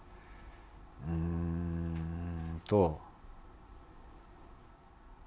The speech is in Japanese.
うーんと。